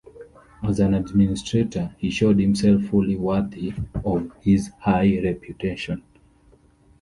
As an administrator, he showed himself fully worthy of his high reputation.